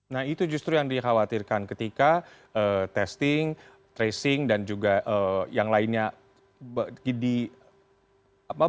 nah itu justru yang dikhawatirkan ketika testing tracing dan juga yang lainnya